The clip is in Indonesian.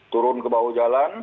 turun ke bawah jalan